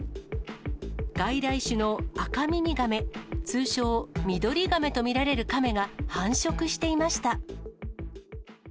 外来種のアカミミガメ、通称ミドリガメと見られるカメが、繁殖していました。